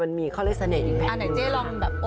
มันมีเขาที่มีสเนคเรียบ